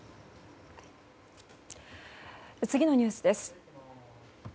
次のニュースです。